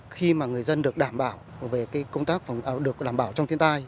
khi người dân được đảm bảo về công tác phòng chống thiên tai